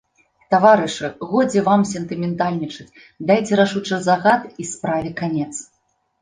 Таварышы, годзе вам сентыментальнічаць, дайце рашучы загад, і справе канец.